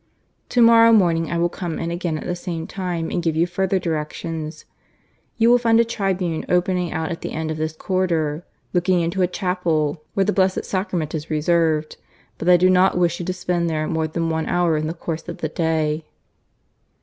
Tomorrow morning I will come in again at the same time and give you further directions. You will find a tribune opening out at the end of this corridor, looking into a chapel where the Blessed Sacrament is reserved. But I do not wish you to spend there more than one hour in the course of the day."